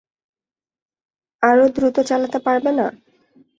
আরো দ্রুত চালাতে পারবে না?